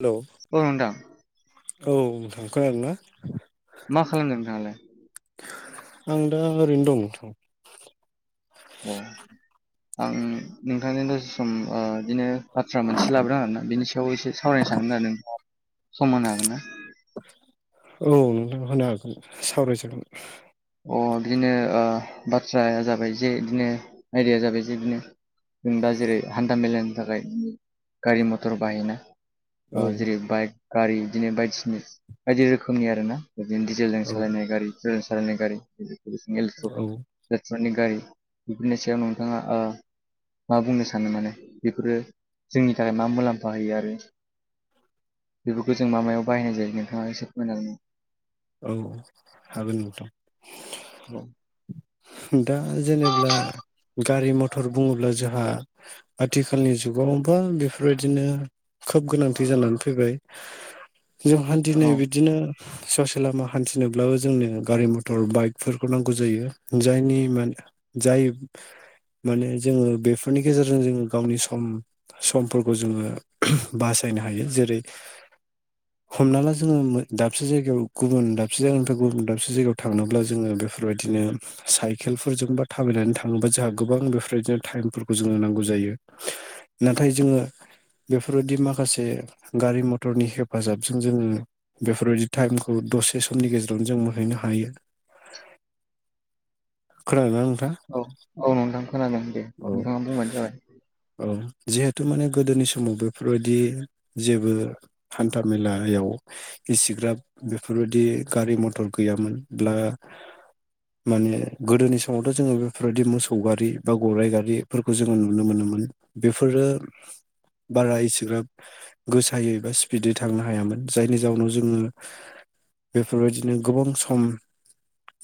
Hello औ नोंथां औ नोंथां खोनादोंना मा खालामदों नोंथाङालाय? आं दा ओरैनो दं अ आं नोंथांजों दसे सम ओ बिदिनो बाथ्रा मोनसे लाबोदों आरोना बिनि सायाव एसे सावरायनो सानदोंमोन आरो नोंथाङा सम होनो हागोन ना औ नोंथां होनना सावरायजागोन अ बिदिनो बाथ्राया जाबाय जे बिदिनो आयडाया जाबाय जे बिदिनो जों दा जेरै हान्था मेलानि थाखाय गारि मथर बाहायना औ ओ जेरै बाइक गारि बिदिनो बायदिसिना बायदि रोखोमनि आरो ना बिदि जेलजों औ सालायनाय गारि जेलजों सालायनाय गारि हेलेकप औ थारफोरनि गारि बेफोरनि सायाव नोंथाङा ओ मा बुंनो सानो माने बेफोरो जोंनि थाखाय मा मुलाम्फा होयो आरो बेफोरखौ जों मा मायाव बाहायनाय जायो नोंथाङा एसे फोरमायनो हागोन नामा औ हागोन नोंथां औ दा जेनेब्ला गारि मथर बुङोब्ला जोंहा आथिखालनि जुगावबा बेफोरबायदिनो खोब गोनांथि जानानै फैबाय जों हान्थिनो नामा? बिदिनो ससे लामा हान्थिनोब्लाबो जोंनो गारि मथर बाइकफोरखौ नांगौ जायो जायनि मान जाय माने जोङो बेफोरनि गेजेरजों जोङो गावनि सम समफोरखौ जोङो बासायनो हायो जेरै हमना ला जोङो मो दाबसे जायगायाव गुबुन दाबसे जायगानिफ्राय गुबुन दाबसे जायगायाव थांनोब्ला जोङो बेफोरबायदिनो साइकेलफोरजों बा थाबायनानै थाङोबा जोंहा गोबां बेफोरबायदिनो टाइमफोरखौ जोङो नांगौ जायो। [inaudible] नाथाय जोङो बेफोरबायदि माखासे गारि मथरनि हेफाजाबजों जोङो बेफोरबायदि टाइम खौ दसे समनि गेजेरावनो जों मोनहैनो हायो। खोनादों ना नोंथाङा? औ औ नोंथां खोनादों दे नोंथाङा बुंबानो जाबाय। औ जिहेथु माने गोदोनि समाव बेफोरबायदि जेबो हान्था मेलायाव इसिग्राब बेफोरबायदि गारि मथर गैयामोनब्ला [inaudible] माने गोदोनि समावथ' जोङो बेफोरबायदि मोसौ गारि बा गराइ गारिफोरखौ जोङो नुनो मोनोमोन। बेफोरो बारा इसेग्राब गोसायै बा स्पिदै थांनो हायामोन जायनि जाउनाव जोङो बेफोरबायदिनो गोबां सम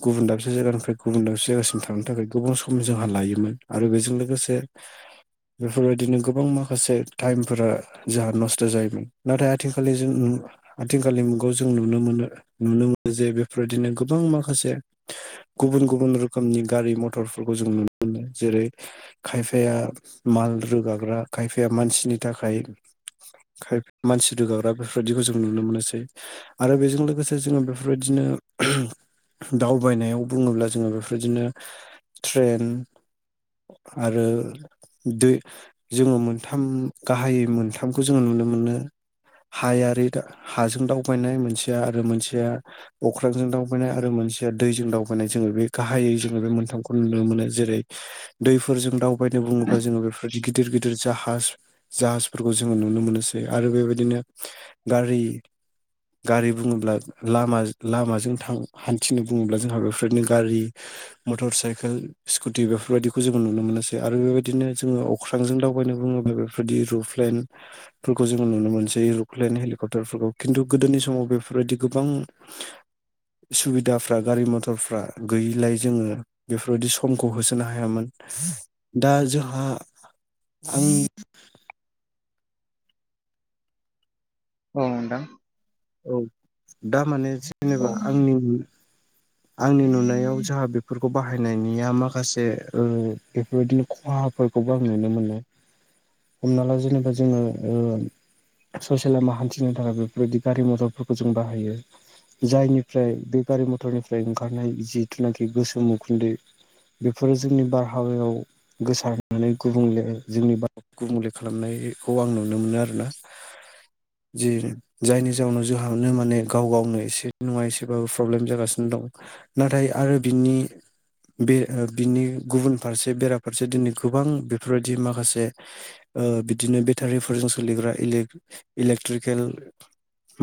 गुबुन दाबसे जायगानिफ्राय गुबुन दाबसे जायगासिम थांनो थाखाय गोबां सम जोंहा लायोमोन। आरो बेजों लोगोसे बेफोरबायदिनो गोबां माखासे टाइमफोरा जोंहा नस्थ' जायोमोन नाथाय आथिखाल आथिखालनि मुगा खौ जों नुनो मोनो नुनो मोनो जे बेफोरबादिनो गोबां माखासे गुबुन गुबुन रोखोमनि गारि मथरफोरखौ जों नुनो मोनो जेरै खायफाया माल रोगाग्रा खायफाया मानसिनि थाखाय खायफ मानसि रोगाग्रा बेफोरबायदिखौ जों नुनो मोनोसै। आरो बेजों लोगोसे जोङो बेफोरबायदिनो दावबायनायाव बुङोब्ला जोङो बेफोरदिनो ट्रेन। आरो दो जोङो मोनथाम गाहायै मोनथामखौ जोङो नुनो मोनो। हायारि हाजों दावबायनाय मोनसेया आरो मोनसेया अख्रांजों दावबायनाय आरो मोनसेया दैजों दावबायनाय जोङो बे गाहायै जोङो बे मोनथामखौ नुनो मोनो जेरै दैफोरजों दाउ बायदि बुङोब्ला जोङो बेफोरदि गिदिर गिदिर जाहाज जाहाजफोरखौ जोङो नुनो मोनोसो आरो बेबायदिनो गारि गारि बुङोब्ला लामा लामाजों थां हान्थिनो बुङोब्ला जोंहा बेफोरबादिनो गारि। मटर साइकेल स्कुटि बेफोरबायदिखौ जोङो नुनो मोनासै आरो बेबायदिनो जोङो अ अख्रांजों दावबायनो बुङोब्ला बेफोरबादि रुप्लेन। फोरखौ जोङो नुनो मोनसै एर'फ्लेन हेलिकप्टारफोरखौ खिन्थु गोदोनि समाव बेफोरबायदि गोबां सुबिदाफ्रा गारि मथरफ्रा गैयिलाय जोङो बेफोरबायदि समखौ होसोनो हायामोन दा जोंहा आं औ नोंथां। औ दा माने औ जेनेबा आंनि आंनि नुनायाव जाहा बेफोरखौ बाहायनायनिया माखासे ओ बेफोरबायदिनो खहाफोरखौबो आं नुनो मोनो। [inaudible] हमना ला जेनेबा जोङो ओ ससे लामा हान्थिनो थाखाय बेफोरबायदि गारि मथरफोरखौ जों बाहायो। जायनिफ्राय बे गारि मथरनिफ्राय ओंखारनाय जिथुनाखि गोसोम उखुन्दै बेफोरो जोंनि बारहावायाव गोसारनानै गुबुंले जोंनि गुबुंले खालामनायखौ आं नुनो मोनो आरोना जि जायनि जाउनाव जोंहानो माने गाव - गावनो एसे नङा एसेबाबो प्रब्लेम जागासिनो दं। नाथाय आरो बिनि बे बिनि गुबुन फारसे बेराफारसे दिनै गोबां बेफोरबायदि माखासे ओ बिदिनो बेटारिफोरजों सोलिग्रा इलेक-इलेकट्रिकेल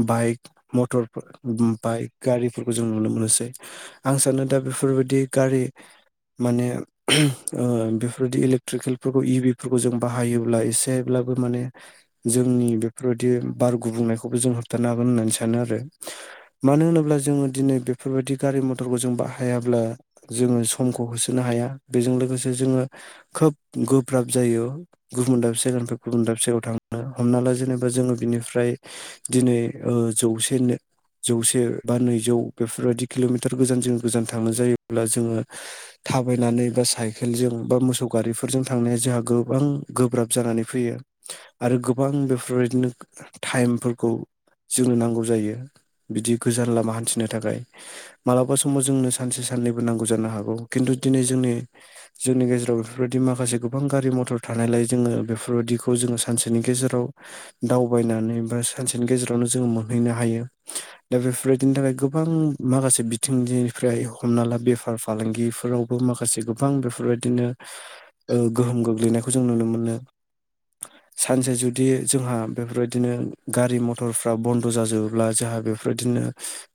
बाइक मटरफोर [unintelligible] बाइक गारिफोरखौ जों नुनो मोनसै। आं सानो दा बेफोरबायदि गारि माने ओ बेफोरबायदि इलेक्ट्रिकेलफोरखौ [unintelligible] बेफोरखौ जों बाहायोब्ला एसे [unintelligible] माने जोंनि बेफोरबायदि बार गुबुंनायखौ [unintelligible] जों होबथानो हागोन होननानै सानो आरो। मानो होनोब्ला जोङो दिनै बेफोरबायदि गारि मथरखौ जों बाहायाब्ला जोङो समखौ होसोनो हाया। बेजों लोगोसे जोङो खोब गोब्राब जायो। गुबुन दाबसे जायगानिफ्राय गुबुन दाबसे जायगायाव थांनो हमना ला जेनेबा जोङो बिनिफ्राय दिनै जौसेनो जौसे बा नैजौ बेफोरबायदि किल'मिटार गोजान जों गोजान थानो जायोब्ला जोङो थाबायनानै बा साइकेलजों बा मोसौ गारिफोरजों थांनाया जोंहा गोबां गोब्राब जानानै फैयो। आरो गोबां बेफोरबायदिनो टाइमफोरखौ जोंनो नांगौ जायो। बिदि गोजान लामा हान्थिनो थाखाय मालाबा समाव जोंनो सानसे साननैबो नांगौ जानो हागौ। खिन्थु दिनै जोंनि जोंनि गेजेराव बेफोरबायदि माखासे गोबां गारि मथर थानायलाय जोङो बेफोरबायदिखौ जोङो सानसेनि गेजेराव दावबायनानै बा सानसेनि गेजेरावनो जोङो मोनहैनो हायो। दा बेफोरबायदिनि थाखाय गोबां माखासे बिथिंनिफ्राय हमना ला बेफार फालांगिफोराव माखासे गोबां बेफोरबायदिनो ओ गोहोम गोग्लैनायखौ जों नुनो मोनो। सानसे जुदि जोंहा बेफोरबायदि बिदिनो गारि मथरफ्रा बन्द' जाजोबोब्ला जोंहा बेफोरबायदिनो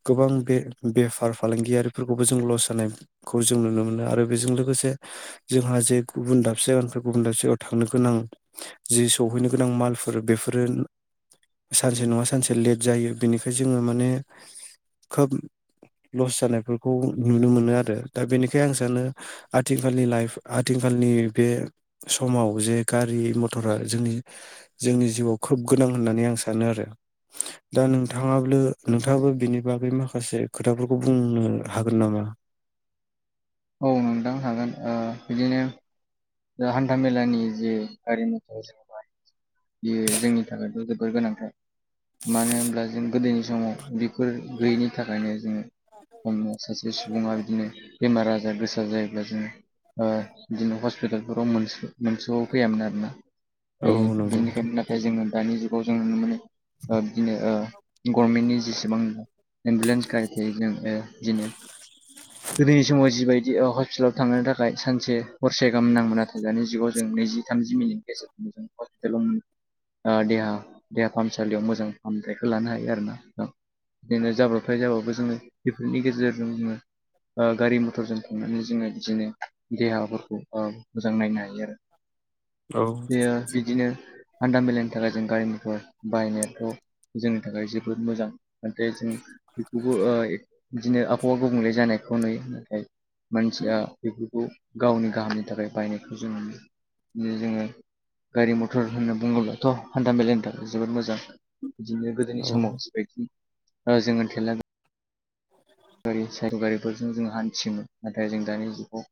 गोबां बे बेफार फालांगियारिफोरखौबो जों लस जानायखौ जों नुनो मोनो आरो बेजों लोगोसे जोंहा जे गुबुन दाबसे जायगानिफ्राय गुबुन दाबसे जायगायाव थांनो गोनां जि सौहैनो गोनां मालफोर बेफोरो सानसे नङा सानसे लेट जायो। बेनिखाय जोङो माने खोब लस जानायफोरखौ नुनो मोनो आरो। दा बेनिखायनो आं सानो आथिखालनि लाइफ आथिखालनि बे समाव जे गारि मथरा जोंनि- जोंनि जिउआव खोब गोनां होननानै आं सानो आरो। [inaudible] दा नोंथाङाबो - नोंथाङाबो बिनि बागै माखासे खोथाफोरखौ बुंनो हागोन नामा? औ नोंथां हागोन ओ बिदिनो दा हान्था मेलानि जे गारि मथर जेनबा बेयो जोंनि थाखायथ' जोबोर गोनांथार। मानो होनब्ला जों गोदोनि समाव बेफोर गैयैनि थाखायनो जोङो [unintelligible] सासे सुबुङा बिदिनो बेमार आजार गोसा जायोब्ला जोङो ओ बिदिनो [unintelligible] [unintelligible] फैयामोन आरोना औ नंगौ नोंथां बेनिखायनो [unintelligible] जोङो दानि जुगाव जों नुनो मोनो बिदिनो गरमेन्टनि जेसेबां एम्बुलेन्स गारि थायो जों ओ बिदिनो गोदोनि समाव जिबायदि हस्पिटालाव थांनायनि थाखाय सानसे हरसे गाहाम नांङो नाथाय दानि जुग जों नैजि, थामजि मिनिटनि गेजेरजोंनो जों हस्पिटालाव देहा -देहा फाहामसालियाव मोजां फाहामथायखौ लानो हायो आरो ना औ। दिनो जाब्रथाय जाबाबो जोङो बेफोरनि गेजेरजों जोङो ओ गारि मथरजों थांनानै जोङो बिदिनो देहाफोरखौ ओ मोजां नायनो हायो आरो औ [inaudible] बियो बिदिनो हान्दा मेलानि थाखाय जों गारि मथर बायनोथ' जोंनि थाखाय जोबोद मोजां नाथाय जों बेखौबो ओ ए बिदिनो आबहावा गुबुंले जानायखौ नुयो नाथाय मानसिया बेफोरखौ गावनि गाहामनि थाखाय बायनायखौ जों [unintelligible] जोङो गारि मथर होनना बुङोब्लाथ' हान्था मेलानि थाखाय जोबोद मोजां। बिदिनो गोदोनि औ समाव जिबायदि ओ जोङो थेला गा [inaudible] गारि साय' गारिफोरजों जों हान्थियोमोन नाथाय जों दानि जुगाव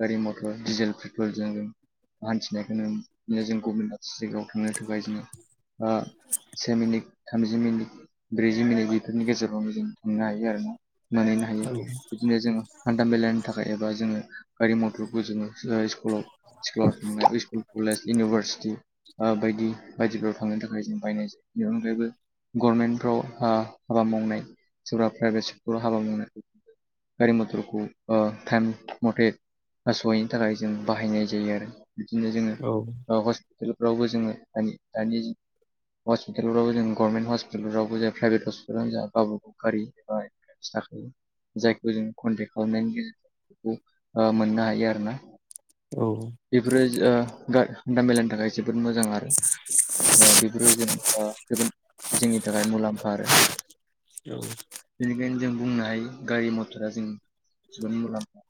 गारि मथर डिजेल पेट्रलजों जों हान्थिनायखौनो बियो जों गभमेन्ट [unintelligible] थांनो थाखाय जोङो ओ सेमिनिक थामजि मिनिट ब्रैजि मिनिट बेफोरनि गेजेरावनो जों थांनो हायो आरो ना मोनहैनो हायो औ बिदिनो जोङो हान्था मेलानि थाखाय एबा जोङो गारि मथरखौ जोङो ओ स्कुलाव स्कल स्कुल कलेज इउनिभारसिटि आ बायदि बायदिफोराव थांनो थाखाय जों बायनाय जायो बेबो गरमेन्टफ्र हा हाबा मावनाय सोरबा प्राइभेट स्कुलाव हाबा मावनाय गारि मथरखौ ओ टाइम मथे हास'हैनो थाखाय जों बाहायनाय जायो आरो बिदिनो जोङो औ ओ हस [unintelligible] फ्रावबो जोङो दानि दानि हस्पिटालावबो जों गभर्नमेन्ट हस्पिटालावबो जे प्राइभेट हस्पिटालावनो जा गावबागाव गारि ओ [unintelligible] जायखौ जों कन्टेक्ट खालामनायनि गेजेरजों औ आ मोननो हायो आरो ना औ बेफोरो ओ [unintelligible] थाखाय जोबोद मोजां आरो ओ बेफोरो जों ओ जोबोद जोंनि थाखाय मुलाम्फा आरो। औ बिनिखायनो जों बुंनो हायो गारि मथरा जों जोबोद मुलाम्फा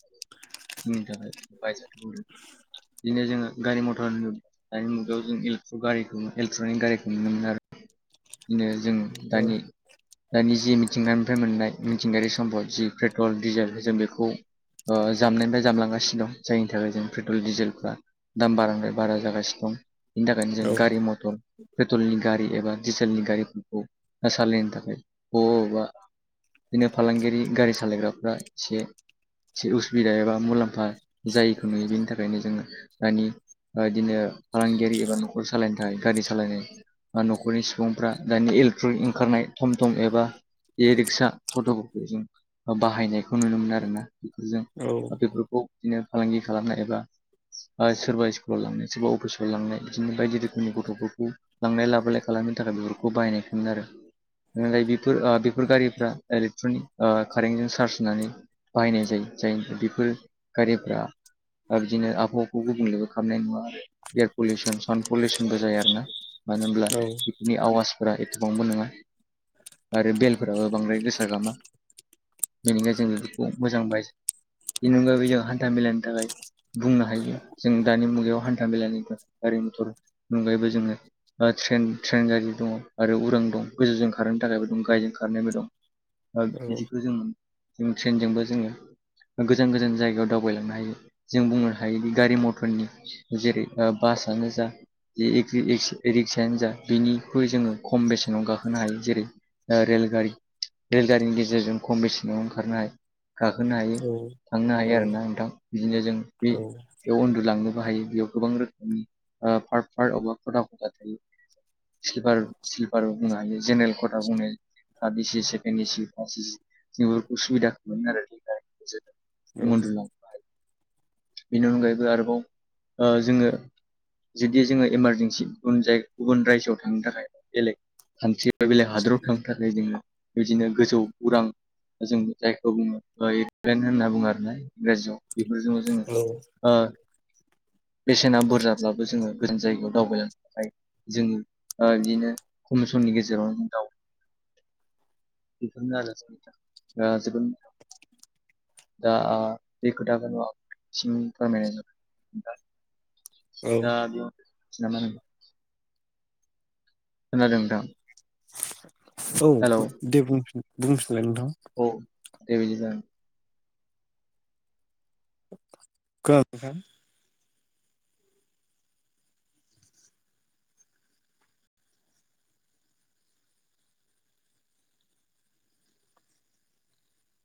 जोंनि थाखाय बाय [unintelligible] बिदिनो जोङो गारि मथ फान्नो दानि मुगायाव जों एलेट्र गारि खौ एलेकट्रनिक गारिखौ नुनो मोन आरो बिदिनो जों दानि दानि जि मिथिंगा फ्राय मोननाय मिथिंगारि सम्पद जि पेट्रल डिजेल जों बेखौ ओ जामनायनिफाय जामलांगासि दं जायनि थाखाय जों पेट्रल डिजेलफ्रा दाम बारानिफाय बारा जागासि दं बिनि थाखायनो औ जों गारि मथर पेट्रलनि गारि एबा डिजेलनि गारिफोरखौ सालायनो थाखाय बबा दिनो फालांगिरि गारि सालायग्राफ्रा से से उसुबिदा एबा मुलाम्फा जायो खोमा इदिनि थाखायनो जोङो दानि ओ इदिनो फालांगिरि एबा न'खर सालायनो थाखाय गारि सालायनाय आ न'खरनि सुबुंफ्रा दानि एलेक्ट्रनिक ओंखारनाय थम थम एबा ए रिक्सा ट'ट'फोखौ जों बाहायनायखौ नुनो मोनो आरोना बेफोरजों औ बेफोरखौ दिनो फालांगि खालामना एबा ओ सोरबा स्कुलाव लांनाय सोरबा अफिस फ्राव लांनाय बिदिनो बायदि रोखोमनि गथ'फोरखौ लांलाय लाबोलाय खालामनो थाखाय बेफोरखौ बाहायनायखौ [unintelligible] आरो ओमफाय बेफोर आ बेफ फोर गारिफ्रा एलेक्ट्रनिक ओ कारेन्टजों चार्ज होनानै बाहायनाय जायो जायनिफ्राय बेफोर गारिफोरा दा बिदिनो आबहावाखौ गुबुंलेबो खालामनाय नङा एयार पलिउसन साउड पलिउसनबो जाया आरोना मानो होनब्ला बेकनि आवाजफोरा एथबांबो नङा आरो बेल फोराबो बांद्राय गोसा गामा बेनिखायनो जों बेफोरखौ मोजां बा बेनि अनगा बेै जों हान्था मेलानि थाखाय बुंनो हायो जों दानि मुगायाव हान्था मेलानिफ्राय गारि मथर अनगायैबो जोङो ओ ट्रेन ट्रेन गारि दङ आरो उरां दं गोजौजों खारनो थाखायबो दं गाहायजों खारनायबो दं आ बिदिखौ जों, जों ट्रेनजोंबो जोङो गोजान गोजान जायगायाव दावबायलांनो हायो जों बुंनो हायोदि गारि मटरनि जेरै बासनो जा जे इ रि इरिक्सायानो जा बेनिख्रुय जोङो खम बेसेनाव गाखोनो हायो जेरै रेलगारि रेलगारिनि गेजेरजों खम बेसेनाव खारनो हायो। गाखोनो हायो थांनो औ हायो आरोना नोंथां। बिदिनो जों बे बेयाव उन्दुलांनोबो हायो बेयाव गोबां रोखोमनि आ फार्ट फार्ट एबा खथा खथा थायो। स्लिपार स्लिपार बुंनो हायो जेनेरेल खथा बुंनाय थार्ड इसि सेकेण्ड इसि फार्स्ट इसि बेफोरखौ सुबिदा [unintelligible] गेजेरजों उन्दुलां बेनि अनगायैबो आरोबाव ओ जोङो जुदि जोङो इमारजेन्सि गुबुन जाय गुबुन रायजोआव थांनो थाखाय बेलेग कान्ट्रि बे बेलेक हादराव थांनो थाखाय जोङो बिदिनो गोजौ उरां जों जायखौ बुङो एरप्लेन होनना बुङो आरोना इंराजआव बेफोरजों जोङो औ। ओ बेसेना बुरजाब्लाबो जोङो गोजान जायगायाव दावबायलांनो हायो। जों आ बिदिनो खम समनि गेजेरावनो दउ बेफोरनो आरो जोंनि थाखाय दा जोबोद मोजां दा आ बे खोथाखौ आं सिम फोरमायनाय नोंथां। द बेयाव [unintelligible] नामा होनो? खोनादों नोंथां? औ हेलौ दे बुंफिन बुंफिनलाय नोंथां? औ दे बिदिब्ला। खोनादों नोंथां?